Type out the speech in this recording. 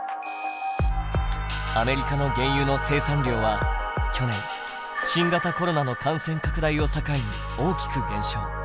アメリカの原油の生産量は去年新型コロナの感染拡大を境に大きく減少。